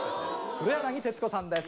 黒柳徹子さんです